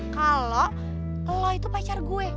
kalau kalau itu pacar gue